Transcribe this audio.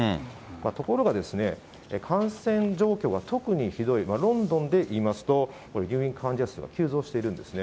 ところが、感染状況が特にひどいロンドンで見ますと、入院患者数が急増しているんですね。